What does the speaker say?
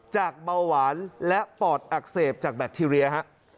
เบาหวานและปอดอักเสบจากแบคทีเรียฮะ